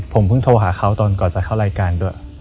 ผมเพิ่งโทรหาเขาตอนก่อนจะเข้ารายการด้วย